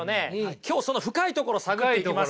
今日その深いところ探っていきますから。